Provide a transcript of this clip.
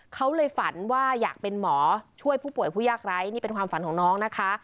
เขาเลยฝันว่าอยากเป็นหมอช่วยผู้ป่วยผู้ยากไร้นี่เป็นความฝันของน้องนะคะ